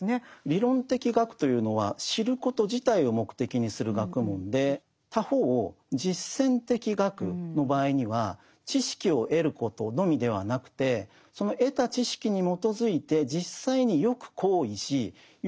理論的学というのは知ること自体を目的にする学問で他方実践的学の場合には知識を得ることのみではなくてこれが実践的学です。